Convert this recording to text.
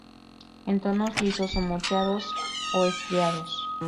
En tonos lisos o moteados, o estriados.